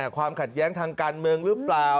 ความขัดแย้งทางการเมืองหรือเปล่า